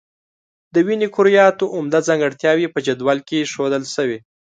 د وینې کرویاتو عمده ځانګړتیاوې په جدول کې ښودل شوي.